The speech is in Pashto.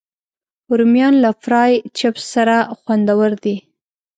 رومیان له فرای چپس سره خوندور دي